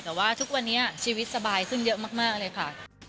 แต่ว่าทุกวันนี้ชีวิตสบายขึ้นเยอะมากเลยค่ะ